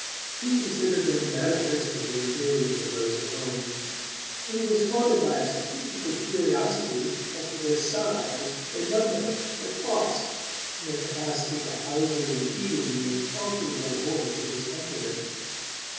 He considered them manifestly inferior to those at home; but he was haunted by a statistical curiosity as to their size, their number, their cost and their capacity for housing and feeding the incalculable hordes of his countrymen.